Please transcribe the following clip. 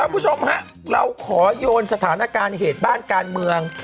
คุณผู้ชมฮะเราขอโยนสถานการณ์เหตุบ้านการเมือง